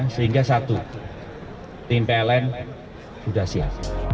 sehingga satu tim pln sudah siap